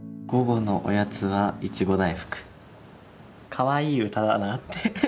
かわいい歌だなって。